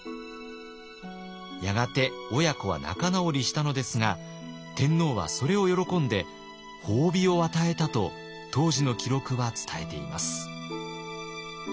やがて親子は仲直りしたのですが天皇はそれを喜んで褒美を与えたと当時の記録は伝えています。